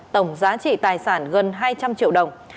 tổng giá trị tài sản gần hai trăm linh triệu đồng